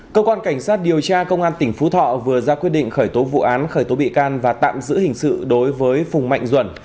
cơ quan cảnh sát điều tra công an tỉnh phú thọ vừa ra quyết định khởi tố vụ án khởi tố bị can và tạm giữ hình sự đối với phùng mạnh duẩn